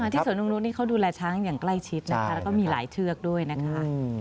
ที่สวนนงนุฏภัทยาดูแลช้างอย่างใกล้ชิดและมีหลายเชือกด้วยนะคะ